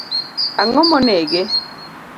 Ango monege.